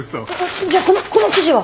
じゃこのこの記事は！？